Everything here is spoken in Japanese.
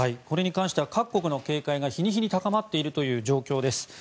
これに関しては各国の警戒が日に日に高まっているという状況です。